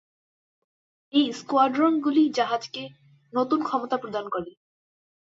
এই স্কোয়াড্রনগুলি জাহাজকে নতুন ক্ষমতা প্রদান করে।